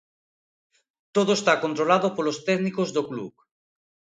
Todo está controlado polos técnicos do club.